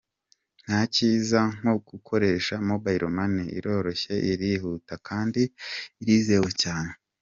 Nta cyiza nko gukoresha Mobile Money, iroroshye, irihuta kandi irizewe cyane.